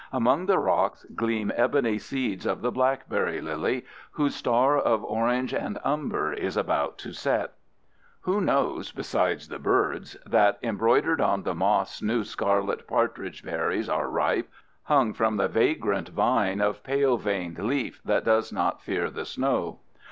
Among the rocks gleam ebony seeds of the blackberry lily, whose star of orange and umber is about to set. Who knows, besides the birds, that embroidered on the moss new scarlet partridge berries are ripe, hung from the vagrant vine of pale veined leaf that does not fear the snow?